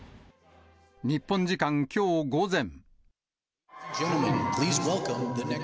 日本時間きょう午前。